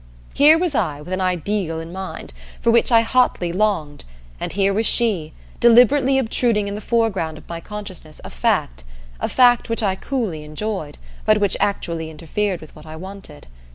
Here was I, with an Ideal in mind, for which I hotly longed, and here was she, deliberately obtruding in the foreground of my consciousness a Fact a fact which I coolly enjoyed, but which actually interfered with what I wanted.